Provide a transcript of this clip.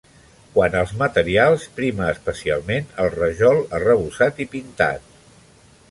Quant als materials prima especialment el rajol, arrebossat i pintat.